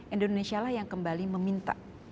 indonesia lah yang kembali meminta